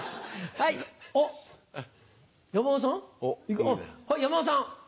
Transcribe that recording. はい山田さん。